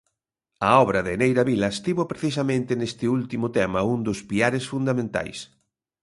A obra de Neira Vilas tivo precisamente neste último tema un dos piares fundamentais.